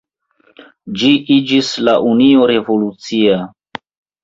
Ĝi iĝis la Unio Revolucia.